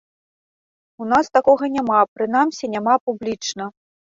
У нас такога няма, прынамсі няма публічна.